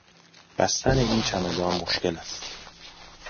بستن این چمدان مشکل است.